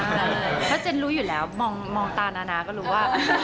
เพราะว่าเจนรู้อยู่แล้วมองตานะก็รู้อ่ะ